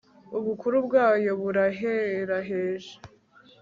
ubukuru bwayo buraheraheje